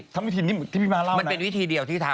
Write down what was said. ทำวิธีนี้ที่พี่มาเล่านะมันเป็นวิธีเดียวที่ทำ